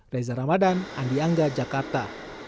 reza ramadan andi angga jakarta